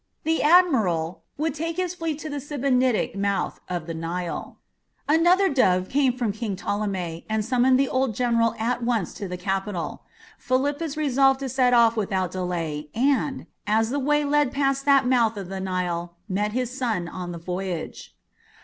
The admiral would take his fleet to the Sebennytic mouth of the Nile. Another dove came from King Ptolemy, and summoned the old general at once to the capital. Philippus resolved to set off without delay and, as the way led past that mouth of the Nile, met his son on the voyage.